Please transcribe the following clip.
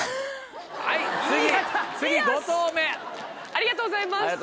ありがとうございます。